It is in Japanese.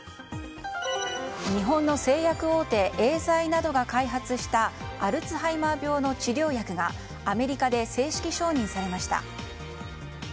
日本の製薬大手エーザイなどが開発したアルツハイマー病の治療薬がアメリカで正式承認されました。